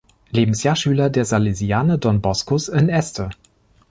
Lebensjahr Schüler der Salesianer Don Boscos in Este.